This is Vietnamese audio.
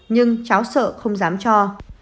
nhưng cháu sợ không dám cho